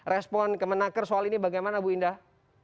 respon kemenaker soal ini bagaimana bu indah